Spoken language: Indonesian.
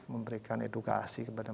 memberikan edukasi kepada